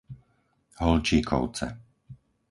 Holčíkovce